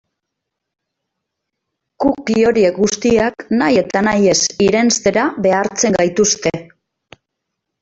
Cookie horiek guztiak nahi eta nahi ez irenstera behartzen gaituzte.